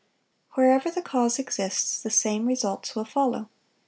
Wherever the cause exists, the same results will follow.